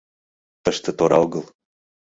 — Тыште тора огыл...